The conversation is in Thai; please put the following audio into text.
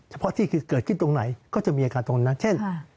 เฉพาะที่คือเกิดขึ้นตรงไหนก็จะมีอาคารตรงนั้นเช่น